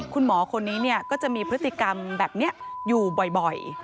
คุณหมอคนนี้ก็จะมีพฤติกรรมแบบนี้อยู่บ่อย